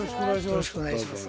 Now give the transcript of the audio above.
よろしくお願いします。